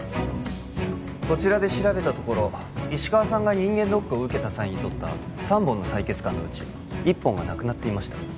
こちらで調べたところ石川さんが人間ドックを受けた際に採った３本の採血管のうち１本がなくなっていました